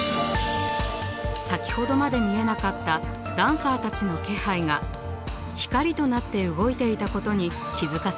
先ほどまで見えなかったダンサーたちの気配が光となって動いていたことに気付かされます。